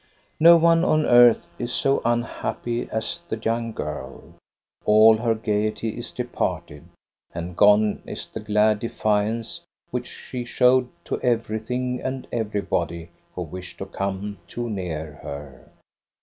No one on earth is so unhappy as the young girl. All her gayety is departed, and gone is the glad defiance which she showed to everything and every body who wished to come too near her.